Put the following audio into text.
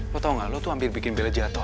lo tau gak lo tuh hampir bikin bella jatuh